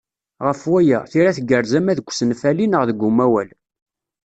Ɣef waya, tira tgerrez ama deg usenfali neɣ deg umawal.